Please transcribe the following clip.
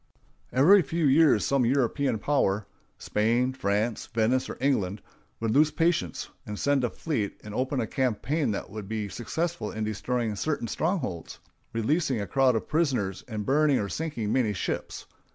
Every few years some European power—Spain, France, Venice, or England—would lose patience, send a fleet, and open a campaign that would be successful in destroying certain strongholds, releasing a crowd of prisoners, and burning or sinking many ships.